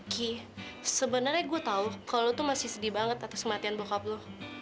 gi sebenarnya gue tau kalau lo tuh masih sedih banget atas kematian bokap lo